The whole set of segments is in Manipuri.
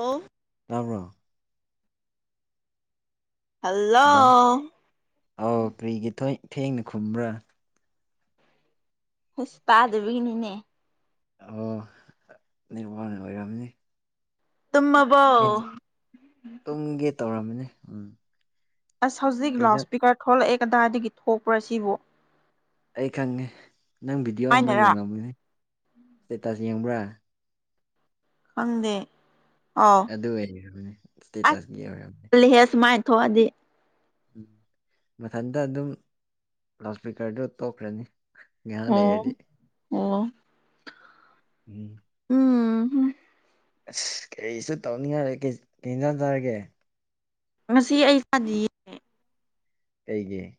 ꯑꯣ ꯇꯥꯕ꯭ꯔꯣ ꯍꯜꯂꯣ ꯑꯧ ꯀꯔꯤꯒꯤ ꯇ‌ꯣꯏ ꯊꯦꯡꯅ ꯈꯨꯝꯕ꯭ꯔꯥ ꯍꯁ ꯇꯥꯗꯕꯤꯒꯤꯅꯤꯅꯦ ꯑꯣ ꯅ‌ꯦꯠꯋꯥꯛꯅ ꯑꯣꯏꯔꯝꯅꯤ ꯇꯨꯝ ꯃ [unintelligible] ꯇꯨꯝꯒꯦ ꯇꯧꯔꯝꯃꯅꯦ ꯎꯝ ꯑꯁ ꯍꯧꯖꯤꯛ ꯀꯩꯅꯣ ꯂꯥꯎꯁ ꯏꯁꯄꯤꯀ꯭ꯔ ꯊꯣꯛꯂꯛꯑꯦ ꯀꯗꯥꯏꯗꯒꯤ ꯊꯣꯛꯄ꯭ꯔꯥ ꯁꯤꯕꯣ ꯑꯩ ꯈꯪꯉꯦ ꯅꯪ ꯚꯤꯗꯤꯑꯣ ꯑꯃ ꯍꯥꯏꯅꯔꯥ ꯌꯦꯡꯉꯝꯒꯅꯤ ꯏꯁꯇꯦꯇꯥꯁ ꯌꯦꯡꯕ꯭ꯔꯥ ꯈꯪꯗꯦ ꯑꯧ ꯑꯗꯨ ꯑꯣꯏꯔꯕꯅꯦ ꯏꯁꯇꯦꯇꯁ ꯌꯦꯡꯉꯣ ꯌꯦꯡꯉꯣ ꯂꯨꯏꯍꯦ ꯁꯨꯃꯥꯏ ꯊꯣꯛꯑꯗꯤ ꯎꯝ ꯃꯊꯟꯇ ꯑꯗꯨꯝ ꯂꯥꯎꯠ ꯏꯁꯄꯤꯀꯔꯗꯨ ꯇꯣꯛꯈ꯭ꯔꯅꯤ ꯉꯥꯍꯥꯛ ꯑꯣ ꯂꯩꯔꯗꯤ ꯑꯣ ꯎꯝ ꯎꯝ ꯑꯁ ꯀꯔꯤꯁꯨ ꯇꯧꯅꯤꯡꯉꯥꯏ ꯂꯩꯇꯦ ꯀꯩ ꯀꯩ ꯑꯦꯟꯖꯥꯡ ꯆꯔꯒꯦ ꯉꯁꯤ ꯑꯩ ꯆꯗꯤ ꯀꯩꯒꯤ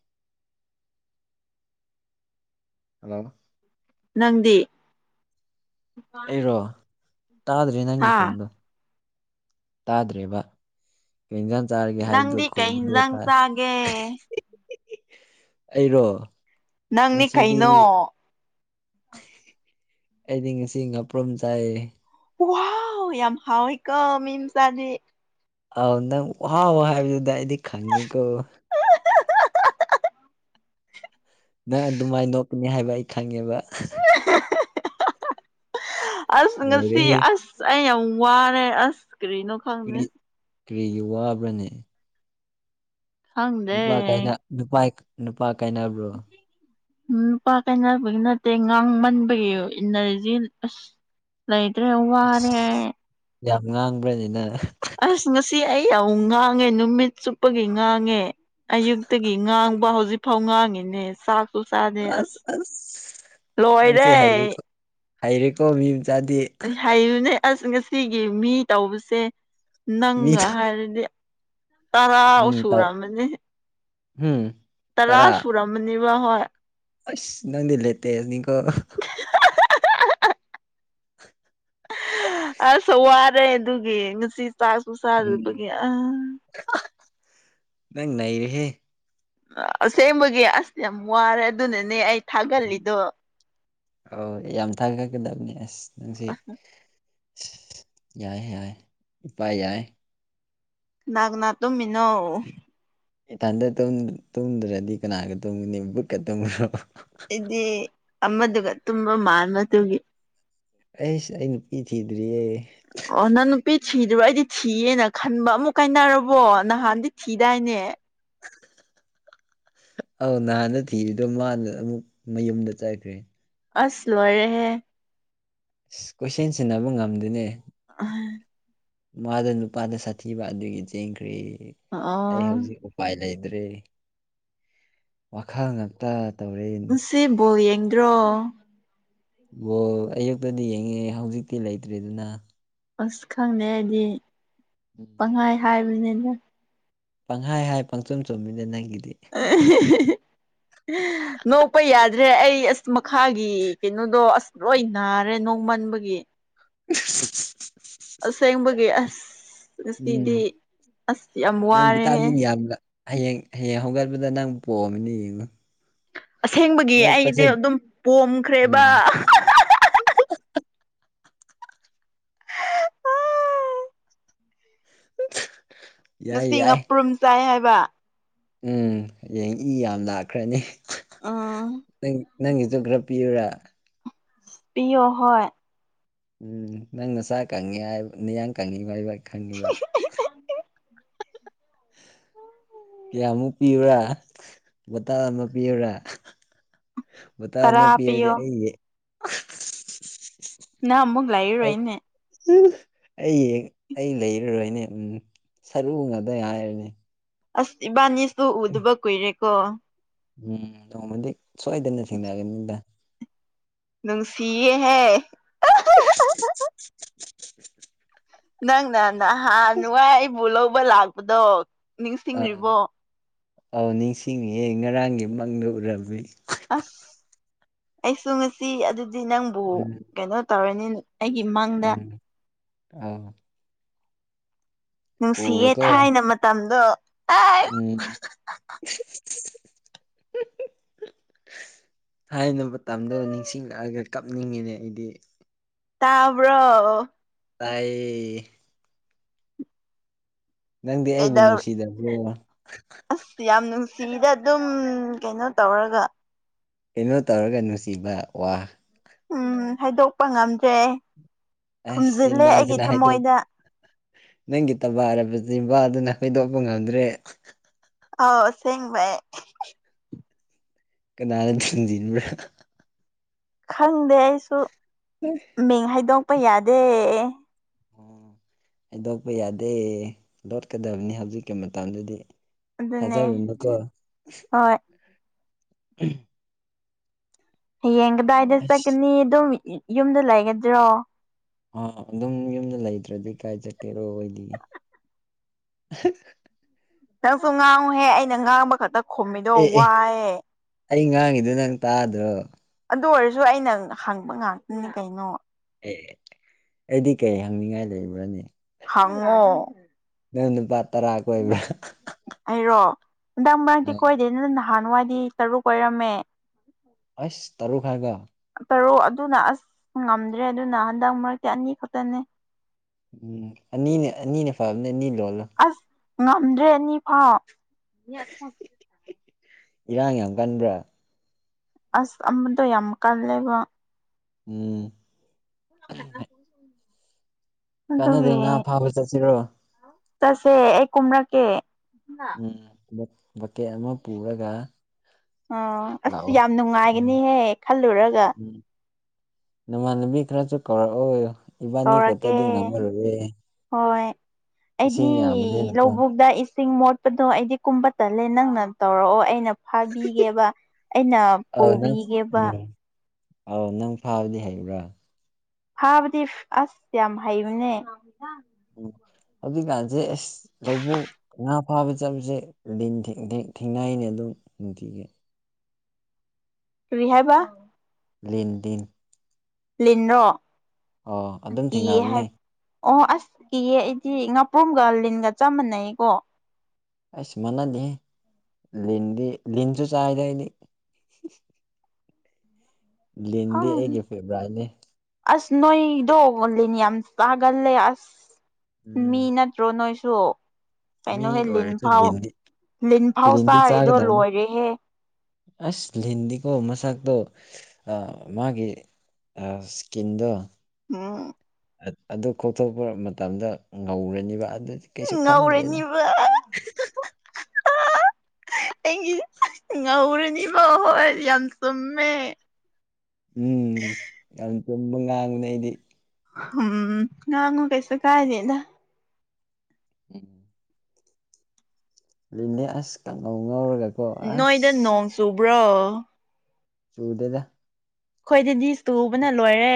ꯍꯜꯂꯣ ꯅꯪꯗꯤ ꯑꯩꯔꯣ ꯇꯥꯗ꯭ꯔꯦ ꯅꯪꯒꯤ ꯍꯥ ꯈꯣꯟꯗꯣ ꯇꯥꯗ꯭ꯔꯦꯕ ꯀꯩ ꯏꯟꯁꯥꯡ ꯆꯥꯔꯒꯦ ꯍꯥꯏꯕꯗꯨ ꯅꯪꯗꯤ ꯀꯩ ꯈꯨꯝꯕꯗꯨ ꯍꯤꯟꯖꯥꯡ ꯍ‌ꯣꯏ ꯆꯥꯒꯦ ꯑꯩꯔꯣ ꯅꯪꯅꯤ ꯀꯩꯅꯣ ꯉꯁꯤꯗꯤ ꯑꯩꯗꯤ ꯉꯁꯤ ꯉꯥꯄ꯭ꯔꯨꯝ ꯆꯥꯏ ꯋꯥꯎ ꯌꯥꯝ ꯍꯥꯎꯋꯦ ꯀꯣ ꯃꯤ ꯃꯆꯥꯗꯤ ꯑꯥꯎ ꯅꯪ ꯋꯥꯎ ꯍꯥꯏꯕꯗꯨꯗꯥ ꯑꯩꯗꯤ ꯈꯪꯉꯤꯀꯣ ꯅꯪ ꯑꯗꯨꯃꯥꯏ ꯅꯣꯛꯀꯅꯤ ꯍꯥꯏꯕ ꯑꯩ ꯈꯪꯉꯦꯕ ꯑꯁ ꯉꯁꯤ ꯂꯣꯏꯔꯦꯍꯦ ꯑꯁ ꯑꯩ ꯌꯥꯝ ꯋꯥꯔꯦ ꯑꯁ ꯀꯔꯤꯅꯣ ꯈꯪꯗꯦ ꯀꯔꯤ ꯀꯔꯤꯒꯤ ꯋꯥꯕ꯭ꯔꯥꯅꯦ ꯈꯪꯗꯦ ꯅꯨꯄꯥ ꯀꯥꯏꯅꯥ ꯅꯨꯄꯥꯏ ꯅꯨꯄꯥ ꯀꯥꯏꯅꯕ꯭ꯔꯣ ꯅꯨꯄꯥ ꯀꯥꯏꯅꯕꯒꯤ ꯅꯠꯇꯦ ꯉꯥꯡꯃꯟꯕꯒꯤ ꯏꯅꯔꯖꯤ ꯑꯁ ꯂꯩꯇ꯭ꯔꯦ ꯑꯁ ꯋꯥꯔꯦ ꯌꯥꯝ ꯉꯥꯡꯕ꯭ꯔꯥ ꯅꯦ ꯅꯪ ꯑꯁ ꯉꯁꯤ ꯑꯩ ꯌꯥꯝ ꯉꯥꯡꯉꯦ ꯅꯨꯃꯤꯠ ꯆꯨꯞꯄꯒꯤ ꯉꯥꯡꯉꯦ ꯑꯌꯨꯛꯇꯒꯤ ꯉꯥꯡꯕ ꯍꯧꯖꯤꯛꯐꯥꯎ ꯉꯥꯡꯉꯤꯅꯦ ꯆꯥꯛ ꯁꯨ ꯆꯥꯗꯦ ꯑꯁ ꯅꯪꯁꯦ ꯂꯣꯏꯔꯦ꯫ ꯍꯩꯔꯦꯀꯣ ꯍꯩꯔꯦꯀꯣ ꯃꯤ ꯃꯆꯥꯥꯗꯤ ꯍꯩꯕꯅꯦ ꯑꯁ ꯉꯁꯤꯒꯤ ꯃꯤ ꯇꯧꯕꯁꯦ꯫ ꯃꯤ ꯅꯪꯒ ꯍꯥꯏꯔꯗꯤ ꯇꯔꯥ ꯎꯝ ꯇꯧ ꯁꯨꯔꯝꯃꯅꯤ ꯍꯨꯝ ꯇꯔꯥ ꯁꯨꯔꯝꯃꯅꯤꯕ ꯍꯣꯏ ꯑꯁ ꯅꯪꯗꯤ ꯂꯦꯇꯦꯁ ꯅꯤꯀꫭ ꯑꯁ ꯋꯥꯔꯦ ꯑꯗꯨꯒꯤ ꯉꯁꯤ ꯆꯥꯛꯁꯨ ꯎꯝ ꯆꯥꯗꯕꯒꯤ ꯑꯥ ꯅꯪ ꯅꯩꯔꯦꯍꯦ ꯑꯁꯦꯡꯕꯒꯤ ꯑꯁ ꯌꯥꯝ ꯋꯥꯔꯦ ꯑꯗꯨꯅꯅꯦ ꯑꯩ ꯊꯥꯒꯂꯤꯗꯣ꯫ ꯑꯥꯎ ꯌꯥꯝ ꯊꯥꯒꯠꯀꯗꯥꯕꯅꯦ ꯑꯁ ꯅꯪꯁꯤ ꯌꯥꯏ ꯌꯥꯏ ꯏꯄꯥ ꯌꯥꯏ ꯀꯅꯥ ꯀꯅꯥ ꯇꯨꯝꯃꯤꯅꯣ ꯏꯊꯟꯗꯥ ꯇꯨꯝ ꯇꯨꯝꯗ꯭ꯔꯥꯗꯤ ꯀꯅꯥꯒ ꯇꯨꯝꯒꯅꯤ ꯕꯨꯛꯀ ꯇꯨꯝꯃꯨꯔꫭ ꯑꯩꯗꯤ ꯑꯃꯗꯨꯒ ꯇꯨꯝꯕ ꯃꯥꯟꯕꯥ ꯑꯩꯁ ꯑꯩ ꯅꯨꯄꯤ ꯊꯤꯗ꯭ꯔꯤꯌꯦ꯫ ꯑꯣ ꯅꯪ ꯅꯨꯄꯤ ꯊꯤꯗ꯭ꯔꯤꯕꯣ ꯑꯩꯗꯤ ꯊꯤꯌꯦꯅ ꯈꯟꯕ ꯑꯃꯨꯛ ꯀꯥꯏꯅꯔꯕꯣ ꯅꯍꯥꯟꯗꯤ ꯊꯤꯗꯥꯏꯅꯦ꯫ ꯑꯥꯎ ꯅꯍꯥꯟꯅ ꯊꯤꯔꯤꯗꯣ ꯃꯥꯅ ꯑꯃꯨꯛ ꯃꯌꯨꯝꯗ ꯆꯠꯈ꯭ꯔꯦ꯫ ꯑꯁ ꯂꯣꯏꯔꯦꯍꯦ ꯀꯣꯏꯁꯦꯟ ꯁꯦꯟꯅꯕ ꯉꯝꯗꯨꯏꯅꯦ꯫ [inaudible] ꯃꯥꯗꫭ ꯅꯨꯄꯥꯗꯥ ꯁꯥꯊꯤꯕ ꯑꯗꯨꯒꯤ ꯆꯦꯟꯈ꯭ꯔꯦ ꯑꯩ ꯑꯣ ꯍꯧꯖꯤꯛ ꯎꯄꯥꯏ ꯂꯩꯇ꯭ꯔꯦ ꯋꯥꯈꯜ ꯉꯥꯛꯇ ꯇꯧꯔꯦ꯫ ꯁꯤ ꯕꯣꯜ ꯌꯦꯡꯗ꯭ꯔꯣ꯫ ꯕꯣꯜ ꯑꯌꯨꯛꯇꯗꯤ ꯌꯦꯡꯉꯦ ꯍꯧꯖꯤꯛꯇꯤ ꯂꯩꯇ꯭ꯔꯦꯗꯅ꯫ ꯑꯁ ꯈꯪꯗꯦ ꯑꯩꯗꯤ ꯎꯝ ꯄꯪꯍꯥꯏ ꯍꯥꯏꯕꯅꯤꯅ ꯄꯪꯍꯥꯏ ꯍꯥꯏ ꯄꯪꯆꯨꯝ ꯆꯨꯝꯃꯤꯗꯥ ꯅꯪꯒꯤꯗꯤ [inaudible] ꯅꯣꯛꯄ ꯌꯥꯗ꯭ꯔꯦ ꯑꯩ ꯑꯁ ꯃꯈꯥꯒꯤ ꯀꯩꯅꯣꯗꯣ ꯑꯁ ꯂꯣꯏ ꯅꯥꯔꯦ ꯅꯣꯡꯃꯟꯕꯒꯤ [unintelligible] ꯑꯁꯦꯡꯕꯒꯤ ꯎꯝ ꯑꯁꯤꯗꯤ ꯑꯁ ꯌꯥꯝ ꯅꯪ ꯋꯥꯔꯦꯍꯦ ꯚꯤꯇꯥꯃꯤꯟ ꯌꯥꯝꯅ ꯍꯌꯦꯡ ꯍꯌꯦꯡ ꯍꯧꯒꯠꯄꯗ ꯅꯪ ꯄꯣꯛꯑꯃꯤꯅ ꯌꯦꯡꯉꯣ꯫ ꯑꯁꯦꯡꯕꯒꯤ ꯑꯩꯗꯤ ꯑꯗꯨꯝ ꯄꯣꯝꯈ꯭ꯔꯦꯕ꯫ ꯎꯝ ꯌꯥꯏ ꯉꯁꯤ ꯌꯥꯏ ꯉꯥꯄ꯭ꯔꯨꯝ ꯆꯥꯏ ꯍꯥꯏꯕ꯫ ꯎꯝ ꯍꯌꯦꯡ ꯏ ꯌꯥꯝ ꯂꯥꯛꯈ꯭ꯔꯅꯤ ꯎꯝ ꯅꯪ ꯅꯪꯒꯤꯁꯨ ꯈꯔ ꯄꯤꯌꯨꯔꯥ? ꯄꯤꯌꯣ ꯍꯣꯏ꯫ ꯎꯝ ꯅꯪ ꯅꯁꯥ ꯀꯪꯉꯤ ꯃꯤꯌꯥꯡ ꯀꯪꯉꯤꯕ ꯍꯥꯏꯕ ꯈꯪꯉꯤꯕ꯫ [unintelligible] ꯀꯌꯥꯃꯨꯛ ꯄꯤꯌꯨꯔꯥ ꯕꯣꯇꯥꯜ ꯑꯃ ꯄꯤꯌꯨꯔꯥ? ꯕꯣꯇꯜ ꯑꯃ ꯇꯔꯥ ꯄꯤꯔꯗꯤ ꯄꯤꯌꯣ ꯑꯩ ꯅꯪ ꯃꯨꯛ ꯂꯩꯔꯔꯣꯏꯅꯦ꯫ ꯎꯝ ꯑꯩ ꯑꯩ ꯂꯩꯔꯔꯣꯏꯅꯦ ꯎꯝ ꯁꯔꯨꯒꯗ꯭ꯔ ꯍꯥꯏꯔꯅꯤ꯫ ꯑꯁ ꯏꯕꯥꯅꯤꯁꯨ ꯎꯗꯕ ꯀꯨꯏꯔꯦꯀꯣ꯫ ꯎꯝ ꯅꯣꯡꯃꯗꯤ ꯁꯣꯏꯗꯅ ꯊꯦꯡꯅꯒꯅꯤꯗ꯫ ꯅꯨꯡꯁꯤꯌꯦ ꯍꯦ꯫ [unintelligible] ꯅꯪꯅ ꯅꯍꯥꯟ ꯋꯥꯏ ꯑꯩꯕꯨ ꯂꯧꯕ ꯂꯥꯛꯄꯗꯣ ꯑꯥ ꯅꯤꯡꯔꯤꯏꯕꯣ? ꯑꯧ ꯅꯤꯡꯁꯤꯡꯉꯤꯑꯦ ꯉꯔꯥꯡꯒꯤ ꯃꯪꯗ ꯎꯔꯃꯤ꯫ ꯑꯁ ꯑꯩꯁꯨ ꯉꯁꯤ ꯑꯗꯨꯗꯤ ꯅꯪꯕꯨ ꯎꯝ ꯀꯩꯅꯣ ꯇꯧꯔꯅꯤ ꯅꯦ ꯑꯩꯒꯤ ꯃꯪꯗ ꯑꯥ꯫ ꯅꯨꯡꯁꯤꯌꯦ ꯎꯔꯀꯣ ꯊꯥꯏꯅ ꯃꯇꯝꯗꯣ ꯎꯝ ꯊꯥꯏꯅ ꯃꯇꯝꯗꯣ ꯅꯤꯡꯁꯤꯡꯂꯛꯑꯒ ꯀꯞꯅꯤꯡꯉꯤꯅꯦ ꯑꯩꯗꯤ ꯇꯥꯕ꯭ꯔꯣ? ꯇꯥꯏꯌꯦ꯫ ꯅꯪꯗꯤ ꯑꯩꯕꯨ ꯀꯩꯗꯧ ꯅꯨꯡꯁꯤꯗꯕ꯭ꯔꯣ? ꯑꯁ ꯌꯥꯝ ꯅꯨꯡꯁꯤꯗ ꯑꯗꯨꯝ ꯀꯩꯅꯣ ꯇꯧꯔꯒ ꯀꯩꯅꯣ ꯇꯧꯔꯒ ꯅꯨꯡꯁꯤꯕ ꯋꯥ ꯎꯝ ꯍꯥꯏꯗꯣꯛꯄ ꯉꯝꯗ꯭ꯔꯦ ꯑꯁ ꯐꯨꯝꯖꯤꯜꯂꯦ ꯑꯩꯒꯤ ꯆꯤꯟꯕꯥꯁꯤꯅ ꯍꯥꯏꯗꯣꯛ ꯊꯃꯣꯏꯗ꯫ ꯅꯪꯒꯤ ꯇꯕꯥꯔꯕ ꯆꯤꯝꯕꯥꯜ ꯗꯨꯅ ꯍꯥꯏꯗꯣꯛꯄ ꯉꯝꯗ꯭ꯔꯦ꯫ ꯑꯥꯎ ꯑꯁꯦꯡ ꯕꯩ꯫ ꯀꯅꯥꯅ ꯊꯤꯟꯖꯤꯟꯕ꯭ꯔꯥ ꯈꯪꯗꯦ ꯑꯩꯁꯨ꯫ ꯑꯦ꯫ ꯃꯤꯡ ꯍꯥꯏꯗꯣꯛꯄ ꯌꯥꯗꯦ꯫ ꯑꯣ ꯑꯩꯗꯣꯛꯄ ꯌꯥꯗꯦ ꯂꯣꯠꯀꯗꯕꯅꯤ ꯍꯧꯖꯤꯛꯀꯤ ꯃꯇꯝꯗꯗꯤ꯫ ꯑꯗꯨꯅꯦ ꯊꯖꯔꯨꯅꯨ ꯀꯣ꯫ ꯍꯣꯏ ꯎꯝ꯫ ꯍꯌꯦꯡ ꯀꯗꯥꯏꯗ ꯑꯁ ꯆꯠꯀꯅꯤ ꯑꯗꯨꯝ ꯌꯨꯝꯗ ꯂꯩꯒꯗ꯭ꯔꯣ? ꯑ ꯑꯗꯨꯝ ꯌꯨꯝꯗ ꯂꯩꯇ꯭ꯔꯗꯤ ꯀꯥꯏ ꯆꯠꯀꯦꯔꯣ ꯑꯣꯏꯗꯤ? ꯅꯪꯁꯨ ꯉꯥꯡꯉꯨ ꯍꯦ ꯑꯩꯅ ꯉꯥꯡꯕ ꯈꯛꯇ ꯈꯨꯝꯃꯤꯗꯣ ꯑꯦ ꯑꯦ ꯋꯥꯏꯑꯦ꯫ ꯑꯩ ꯉꯥꯡꯉꯤꯗꯣ ꯅꯪ ꯇꯥꯗ꯭ꯔꯣ? ꯑꯗꯨ ꯑꯣꯏꯔꯁꯨ ꯑꯩꯅ ꯍꯪꯕ ꯉꯥꯛꯇꯅꯤ ꯀꯩꯅꯣ ꯑꯦ ꯑꯩꯗꯤ ꯀꯩ ꯍꯪꯅꯤꯡꯉꯥꯏ ꯂꯩꯕ꯭ꯔꯅꯦ ꯍꯥꯡꯉꯣ ꯅꯪ ꯅꯨꯄꯥ ꯇꯔꯥ ꯀꯣꯏꯕ꯭ꯔꯥ ꯑꯩꯔꯣ ꯍꯟꯗꯛ ꯃꯔꯛꯇꯤ ꯑꯥ ꯀꯣꯏꯗꯦꯅ ꯅꯍꯥꯟꯋꯥꯏꯗꯤ ꯇꯔꯨꯛ ꯀꯣꯏꯔꯝꯃ‌ꯦ ꯑꯁ ꯇꯔꯨꯛ ꯍꯥꯏꯕ ꯇꯔꯨꯛ ꯑꯗꯨꯅ ꯑꯁ ꯉꯝꯗ꯭ꯔꯦ ꯑꯗꯨꯅ ꯍꯟꯗꯛ ꯃꯔꯛꯇꯤ ꯑꯅꯤ ꯈꯛꯇꯅꯦ ꯎꯝ ꯑꯅꯤꯅ ꯑꯅꯤꯅ ꯐꯕꯅꯦ ꯑꯅꯤ ꯂꯣꯜꯂ‌ꯣ ꯑꯁ ꯉꯝꯗ꯭ꯔꯦ ꯑꯅꯤ ꯐꯥꯎ ꯏꯔꯥꯡ ꯌꯥꯝ ꯀꯟꯕ꯭ꯔ ꯑꯁ ꯑꯃꯗꯣ ꯌꯥꯝ ꯀꯜꯂꯦꯕꯣ ꯎꯝ ꯀꯥꯟꯅꯗꯦ ꯑꯗꯨꯒꯤ ꯉꯥ ꯐꯥꯕ ꯆꯠꯁꯤꯔꯣ ꯆꯠꯁꯦ ꯑꯩ ꯀꯨꯝꯔꯛꯀꯦ ꯎꯝ ꯍꯟꯗꯛ ꯕ‌ꯣꯀ‌ꯦ ꯑꯃꯨꯛ ꯑ ꯑꯁ ꯂꯥꯛꯑꯣ ꯌꯥꯝ ꯎꯝ ꯅꯨꯡꯉꯥꯏꯒꯅꯤꯍꯦ ꯈꯜꯂꯨꯔꯒ ꯎꯝ ꯅꯃꯥꯟꯅꯕꯤ ꯈꯔꯁꯨ ꯀꯧꯔꯛꯑꯣ ꯏꯕꯥꯅꯤ ꯀꯧꯔꯛꯀꯦ ꯈꯛꯇꯗꯤ ꯉꯝꯃꯔꯣꯏꯌꯦ ꯍꯣꯏ ꯑꯩꯗꯤ ꯏꯁꯤꯡ ꯌꯥꯝꯕꯅꯤꯅꯀꯣ ꯂꯧꯕꯨꯛꯇ ꯏꯁ ꯁꯤꯡ ꯃꯣꯠꯄꯗꯣ ꯑꯩꯗꯤ ꯀꯨꯝꯕ ꯇꯜꯂꯦ ꯅꯪꯅ ꯇꯧꯔꯛꯑꯣ ꯑꯩꯅ ꯐꯥꯕꯤꯒꯦꯕ ꯑꯩꯅ ꯄꯨꯕꯤꯒꯦꯕ ꯑꯥꯎ ꯅꯪ ꯐꯥꯕꯗꯤ ꯍꯩꯕ꯭ꯔꯥ ꯐꯥꯕꯗꯤ ꯑꯁ ꯌꯥꯝ ꯍꯩꯕꯅꯦ ꯎꯝ ꯍꯧꯖꯤꯛꯀꯥꯟꯁꯦ ꯑꯁ ꯂꯧꯕꯨꯛ ꯉꯥ ꯐꯥꯕ ꯆꯠꯄꯁꯦ ꯂꯤꯟ ꯊꯦꯡ ꯊꯦꯡ ꯊꯦꯡꯅꯩꯅꯦ ꯑꯗꯨꯝ ꯅꯨꯡꯇꯤꯒꯤ ꯀꯔꯤ ꯍꯥꯏꯕ ꯂꯤꯟ ꯗꯤꯟ ꯂꯤꯟꯔꯣ ꯑꯣ ꯑꯗꯨꯝ ꯀꯤꯌꯦ ꯍꯥꯏ ꯊꯦꯡꯅꯕꯅꯦ ꯑꯣ ꯑꯁ ꯀꯤꯌꯦ ꯑꯩꯗꯤ ꯉꯥꯄ꯭ꯔꯨꯝꯒ ꯂꯤꯟꯒ ꯆꯞ ꯃꯥꯟꯅꯩꯀꯣ ꯑꯩꯁ ꯃꯅꯗꯦꯍꯦ ꯂꯤꯟꯗꯤ ꯂꯤꯟꯁꯨ ꯆꯥꯏꯗ ꯑꯩꯗꯤ ꯂꯤꯟꯗꯤ ꯈꯪ ꯑꯩꯒꯤ ꯐꯦꯕꯣꯔꯥꯏꯠꯅꯦ ꯑꯁ ꯅꯣꯏꯗꯣ ꯂꯤꯟ ꯌꯥꯝ ꯆꯥꯒꯜꯂꯦ ꯑꯁ ꯎꯝ ꯃꯤꯅ ꯇ꯭ꯔꯣ ꯅꯣꯏꯁꯨ ꯃꯤ ꯀꯩꯅꯣꯍꯦ ꯑꯣꯏꯔꯁꯨ ꯂꯤꯟꯐꯥꯎ ꯂꯤꯟꯗꯤ ꯂꯤꯟꯐꯥꯎ ꯂꯤꯟꯗꯤ ꯆꯥꯔꯤꯗꯣ ꯆꯥꯒꯗꯕꯅꯤ ꯂꯣꯏꯔꯦꯍꯦ ꯑꯁ ꯂꯤꯟꯗꯤꯀꯣ ꯃꯁꯥꯥꯛꯗꯣ ꯑ ꯃꯥꯒꯤ ꯑ ꯏꯁꯀꯤꯟꯗꯣ ꯎꯝ ꯑꯗꯨ ꯀꯣꯛꯊꯣꯛꯄ ꯃꯇꯝꯗ ꯉꯧꯔꯅꯤꯕ ꯑꯗꯨꯗꯤ ꯀꯩꯁꯨ ꯈꯟꯗ꯭ꯔꯦꯗ ꯉꯧꯔꯅꯤꯕ ꯑꯩꯒꯤ ꯉꯧꯔꯅꯤꯕ ꯍꯣꯏ ꯌꯥꯝ ꯆꯨꯝꯃꯦ ꯎꯝ ꯌꯥꯝ ꯆꯨꯝꯕ ꯉꯥꯡꯕꯅꯦ ꯑꯩꯗꯤ ꯍꯨꯝ ꯉꯥꯡꯉꯨ ꯀꯩꯁꯨ ꯀꯥꯏꯗꯦꯗ ꯎꯝ ꯂꯤꯟꯅꯦ ꯑꯁ ꯀꯥꯡꯉꯧ ꯉꯧꯔꯒ ꯅꯣꯏꯗ ꯅꯣꯡ ꯆꯨꯕ꯭ꯔꯣ ꯆꯨꯗꯦꯗ ꯑꯩꯈꯣꯏꯗꯤꯗꯤꯅꯤꯁ ꯇꯨꯕꯅ ꯂꯣꯏꯔꯦ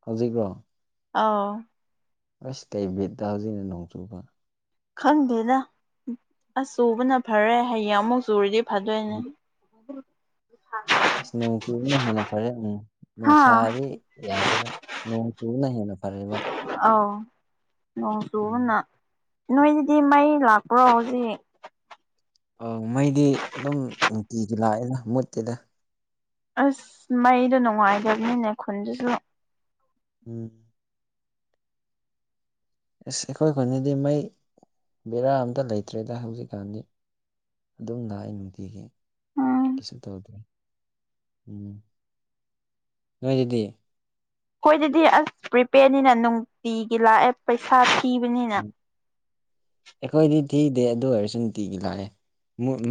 ꯍꯧꯖꯤꯛꯔꯣ ꯑꯥꯎ ꯑꯁ ꯀꯩ ꯕꯤꯠꯇ ꯍꯧꯖꯤꯛꯅ ꯅꯣꯡꯆꯨꯕ ꯈꯪꯗꯦꯅ ꯑꯁ ꯆꯨꯕꯅ ꯐꯔꯦ ꯍꯌꯦꯡ ꯑꯃꯨꯛ ꯆꯨꯔꯤꯗꯤ ꯐꯗꯣꯏꯅꯦ ꯎꯝ ꯑꯗꯨ ꯑꯁ ꯅꯣꯡ ꯆꯨꯕꯅ ꯍꯦꯟꯅ ꯐꯔꯦ ꯎꯝ ꯍꯥꯥ ꯅꯨꯡꯁꯥꯗꯤ ꯌꯥꯗꯦꯕ ꯅꯣꯡ ꯆꯨꯅ ꯍꯦꯟꯅ ꯐꯔꯛꯕ ꯑꯥꯎ ꯅꯣꯡ ꯆꯨꯅ ꯅꯣꯏꯗꯨꯗꯤ ꯃꯩ ꯂꯥꯛꯄ꯭ꯔꯣ ꯍꯧꯖꯤꯛ ꯑ ꯃꯩꯗꯤ ꯑꯗꯨꯝ ꯅꯨꯡꯇꯤꯒꯤ ꯂꯥꯛꯑꯦꯅ ꯃꯨꯠꯇꯦꯗ ꯑꯁ ꯃꯩꯗꯣ ꯅꯨꯡꯉꯥꯏꯇꯕꯅꯤꯅꯦ ꯈꯨꯟꯗꯨꯁꯨ ꯎꯝ ꯑꯁ ꯑꯩꯈꯣꯏ ꯈꯨꯟꯗꯤ ꯃꯩ ꯕꯦꯔꯥ ꯑꯝꯇ ꯂꯩꯇ꯭ꯔꯦꯗ ꯍꯧꯖꯤꯛꯀꯥꯟꯗꯤ ꯑꯗꯨꯝ ꯂꯥꯛ ꯑꯩ ꯅꯨꯡꯇꯤꯒꯤ ꯎꯝ ꯀꯩꯁꯨ ꯇꯧꯗꯦ ꯎꯝ ꯅꯣꯏꯒꯤꯗꯤ ꯍꯈꯣꯏꯗꯗꯤ ꯑꯁ ꯄ꯭ꯔꯤꯄꯦꯌꯔꯅꯤꯅ ꯅꯨꯡꯇꯤꯒꯤ ꯂꯥꯛꯑꯦ ꯄꯩꯁꯥ ꯎꯝ ꯊꯤꯕꯅꯤꯅ ꯑꯩꯈꯣꯏꯗꯤ ꯊꯤꯗꯦ ꯑꯗꯨ ꯑꯣꯏꯔꯁꯨ ꯅꯨꯡꯇꯤꯒꯤ ꯂꯥꯛꯑꯦ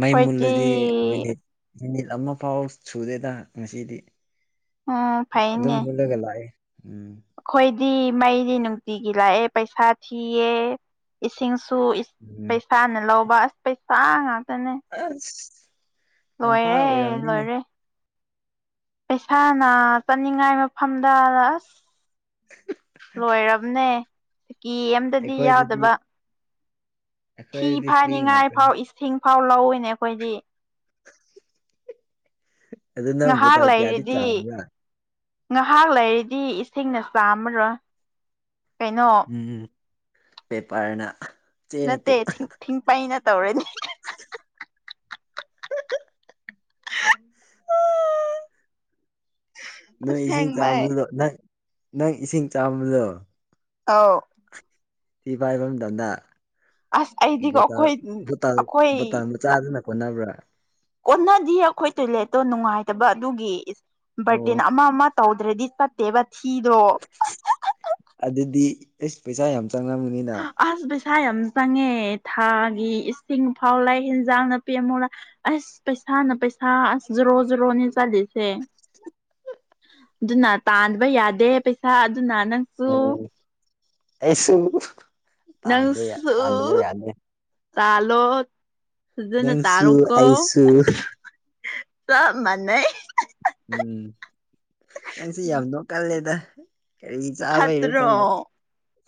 ꯃꯩ ꯃꯨꯜꯂꯗꯤ ꯃꯤꯅꯤꯠ ꯃꯤꯅꯤꯠ ꯑꯃ ꯐꯥꯎ ꯁꯨꯗꯦꯗ ꯉꯁꯤꯗꯤ ꯎꯝ ꯑꯗꯨꯝ ꯐꯩꯅꯦ ꯃꯨꯜꯂꯒ ꯂꯥꯛꯑꯦ ꯎꯝ ꯑꯩꯈꯣꯏꯗꯤ ꯃꯩꯗꯤ ꯅꯨꯡꯇꯤꯒꯤ ꯂꯥꯛꯑꯦ ꯄꯩꯁꯥ ꯊꯤꯌꯦ ꯏꯁꯤꯡꯁꯨ ꯎꯝ ꯄꯩꯁꯥꯅ ꯂꯧꯕ ꯑꯁ ꯄꯩꯁꯥ ꯉꯥꯛꯇꯅꯦ ꯑꯁ ꯇꯝꯄꯥꯛ ꯂꯣꯏꯔꯦ ꯑꯣꯏꯔꯕꯝꯅꯤꯅꯦ ꯂꯣꯏꯔꯦ ꯄꯩꯁꯥꯅ ꯆꯠꯅꯤꯡꯉꯥꯏ ꯃꯐꯝꯗ ꯑꯁ ꯂꯣꯏꯑꯥꯝꯅꯦ ꯀꯦ ꯑꯃꯗꯗꯤ ꯑꯩꯈꯣꯏꯗꯗꯤ ꯌꯥꯗꯕ ꯊꯤ ꯑꯩꯈꯣꯏꯗꯗꯤ ꯐ꯭ꯔꯤ ꯐꯥꯏꯅꯤꯉꯥꯏ ꯉꯥꯛꯇꯅꯤ ꯐꯥꯎ ꯏꯁꯤꯡ ꯐꯥꯎ ꯂꯧꯏꯅꯦ ꯑꯩꯈꯣꯏꯗꯤ ꯑꯗꯨ ꯅꯪ ꯉꯥꯏꯍꯥꯛ ꯕꯣꯇꯜ ꯀꯌꯥꯗꯤ ꯂꯩꯔꯤꯗꯤ ꯆꯝꯕ꯭ꯔꯥ ꯉꯥꯏꯍꯥꯛ ꯂꯩꯔꯤꯗꯤ ꯏꯁꯤꯡꯅ ꯆꯥꯝꯃꯔꯣꯏ ꯀꯩꯅꯣ ꯎꯝ ꯄꯦꯄꯔꯅ ꯅꯠꯇꯦ ꯊꯤꯡ ꯄꯥꯏꯅ ꯇꯧꯔꯅꯤ [unintelligible] ꯅꯪ ꯏꯁꯤꯡ ꯑꯁꯦꯡꯕꯩ ꯆꯥꯕꯗꯣ ꯅꯪ ꯅꯪ ꯏꯁꯤꯡ ꯆꯥꯝꯕꯗꯣ ꯑꯥꯎ ꯊꯤ ꯐꯥꯏꯕ ꯃꯇꯝꯗ ꯑꯁ ꯑꯩꯗꯤꯀꯣ ꯑꯩꯈꯣꯏ ꯕꯣꯇꯜ ꯑꯩꯈꯣꯏ ꯕꯣꯇꯜ ꯃ ꯆꯥꯗꯨꯅ ꯀꯣꯟꯅꯕ꯭ꯔꯥ ꯀꯣꯟꯅꯗꯤ ꯑꯩꯈꯣꯏ ꯇꯣꯏꯂꯦꯠꯇꯣ ꯅꯨꯡꯉꯥꯏꯇꯕ ꯑꯗꯨꯒꯤ ꯑꯣ ꯕꯥꯔꯇꯤꯟ ꯑꯃ ꯑꯃ ꯇꯧꯗ꯭ꯔꯗꯤ ꯆꯠꯇꯦꯕ ꯊꯤꯗꯣ ꯑꯗꯨꯗꯤ ꯑꯩꯁ ꯄꯩꯁꯥ ꯌꯥꯝ ꯆꯪꯂꯝꯕꯅꯤꯅ ꯑꯁ ꯄꯩꯁꯥ ꯌꯥꯝ ꯆꯪꯉꯦ ꯊꯥꯒꯤ ꯏꯁꯤꯡ ꯐꯥꯎ ꯂꯩ ꯌꯦꯟꯖꯥꯡ ꯅꯥꯄꯤ ꯑꯃꯨꯛ ꯂꯩ ꯑꯁ ꯄꯩꯁꯥꯅ ꯄꯩꯁꯥ ꯑꯁ ꯖꯔꯣ ꯖꯔꯣꯅꯤ ꯆꯠꯂꯤꯁꯦ ꯑꯗꯨꯅ ꯇꯥꯟꯕ ꯌꯥꯗꯦ ꯄꯩꯁꯥ ꯑꯗꯨꯅ ꯅꯪ ꯎꯝ ꯑꯩꯁꯨ ꯇꯥꯟꯕ ꯇꯥꯟꯗꯕ ꯌꯥꯗꯦ ꯇꯥꯂꯣ ꯐꯖꯅ ꯅꯪꯁꯨ ꯇꯥꯜꯂꯨꯀ‌ꯣ ꯑꯩꯁꯨ ꯆꯞ ꯃꯅꯩ ꯎꯝ ꯅꯪꯁꯤ ꯌꯥꯝ ꯅꯣꯛ ꯀꯜꯂꯦꯗ ꯀꯔꯤ ꯆꯥꯕꯩꯔꯣ ꯐꯠꯇ꯭ꯔꯣ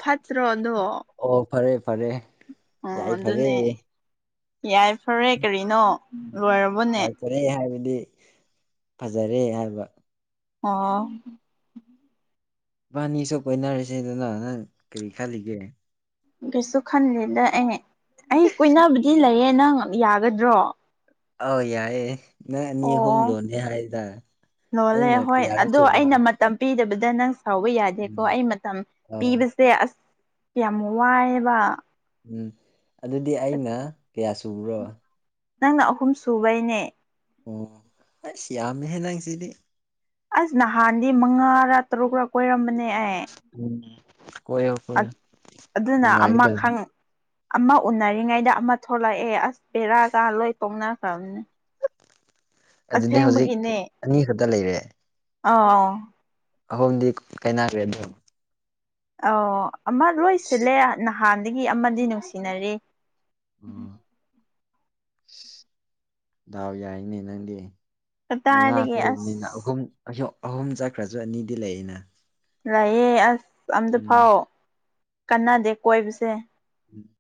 ꯐꯠꯇ꯭ꯔꯣ ꯑꯗꯣ ꯑꯣ ꯐꯔꯦ ꯐꯔꯦ ꯑꯣ ꯌꯥꯏ ꯐꯔꯦ ꯑꯗꯨꯅꯦ ꯌꯥꯏꯐꯔꯦ ꯀꯔꯤꯅꯣ ꯂꯣꯏꯔꯕꯣꯅꯦ ꯌꯥꯏ ꯐꯔꯦ ꯍꯥꯏꯕꯗꯤ ꯐꯖꯔꯦ ꯍꯥꯏꯕ ꯑꯣ ꯏꯕꯥꯅꯤꯁꯨ ꯀꯣꯏꯅꯔꯁꯦꯗꯅ ꯅꯪ ꯀꯔꯤ ꯈꯜꯂꯤꯒꯦ ꯀꯩꯁꯨ ꯈꯟꯗꯦꯗ ꯑꯩ ꯑꯩ ꯀꯣꯏꯅꯕꯗꯤ ꯂꯩꯌꯦ ꯅꯪ ꯌꯥꯒꯗ꯭ꯔꯣ ꯑꯧ ꯌꯥꯏꯌꯦ ꯅꯪ ꯑꯅꯤ ꯑꯍꯨꯝ ꯑꯣ ꯂꯣꯟꯅꯤ ꯍꯥꯏꯗꯥꯏ ꯑꯩꯅ ꯀꯌꯥꯔꯛ ꯁꯨꯕ ꯇꯝ ꯄꯤꯗꯕꯗ ꯅꯪ ꯁꯥꯎꯕ ꯎꯝ ꯌꯥꯗꯦꯀꯣ ꯑꯩ ꯃꯇꯝ ꯑꯧ ꯄꯤꯕ ꯁꯦ ꯑꯁ ꯌꯥꯝ ꯋꯥꯏꯌꯦꯕ ꯎꯝ ꯑꯗꯨꯗꯤ ꯑꯩꯅ ꯀꯌꯥ ꯁꯨꯕ꯭ꯔꯣ ꯅꯪꯅ ꯑꯍꯨꯝ ꯁꯨꯕꯩꯅꯦ ꯑꯣ ꯑꯩꯁ ꯌꯥꯝꯃꯤꯍꯦ ꯅꯪꯁꯤꯗꯤ ꯑꯁ ꯅꯍꯥꯟꯗꯤ ꯃꯉꯥꯔꯥ ꯇꯔꯨꯛꯔꯥ ꯀꯣꯏꯔꯝꯕꯅꯦ ꯑꯩ ꯎꯝ ꯀꯣꯏꯌꯣ ꯑ ꯀꯣꯏꯌꯣ ꯑꯗꯨꯅ ꯅꯨꯡꯉꯥꯏꯒꯗꯕꯅꯤ ꯑꯃꯈꯪ ꯑꯃ ꯎꯅꯔꯤꯉꯩꯗ ꯑꯃ ꯊꯣꯛꯂꯛꯑꯦ ꯑꯁ ꯕꯦꯔꯥ ꯀꯥ ꯂꯣꯏ ꯇꯣꯡꯅꯈ꯭ꯔꯕꯅꯦ ꯑꯗꯨꯗꯤ ꯍꯧꯖꯤꯛ ꯑꯅꯤ ꯈꯇ ꯂꯩꯔꯦ ꯑꯧ ꯑꯍꯨꯝꯗꯤ ꯀꯥꯏꯅꯈ꯭ꯔꯦ ꯗꯨꯝ ꯑꯧ ꯑꯃ ꯂꯣꯏ ꯁꯤꯜꯂꯦ ꯅꯍꯥꯟꯗꯒꯤ ꯑꯃꯗꯤ ꯅꯨꯡꯁꯤꯅꯔꯤ ꯎꯝ ꯗꯥꯎ ꯌꯥꯏꯅꯦ ꯅꯪꯗꯤ ꯃꯉꯥ ꯀꯗꯥꯏꯗꯒꯤ ꯑꯁ ꯀꯣꯏꯕꯅꯤꯅ ꯑꯍꯨꯝ ꯑꯌꯣ ꯑꯍꯨꯝ ꯆꯠꯈ꯭ꯔꯁꯨ ꯑꯅꯤꯗꯤ ꯂꯩꯅ ꯂꯩꯌꯦ ꯑꯁ ꯑꯝꯇ ꯐꯥꯎ ꯀꯥꯟꯅꯗꯦ ꯀꯣꯏꯕꯁꯦ [inaudible]